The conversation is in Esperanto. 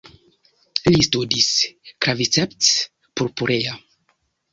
Li studis "Claviceps purpurea".